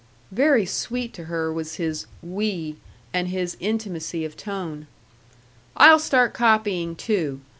Very sweet to her was his "we," and his intimacy of tone. "I'll start copying, too.